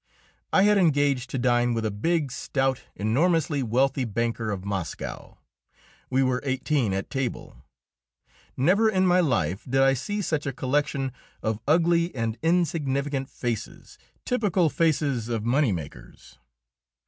I had engaged to dine with a big, stout, enormously wealthy banker of Moscow. We were eighteen at table; never in my life did I see such a collection of ugly and insignificant faces typical faces of money makers.